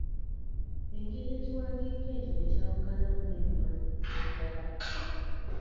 Engeri ekiwandiiko ekyo gye kyawukanamu n'ebiwandiiko ebirala.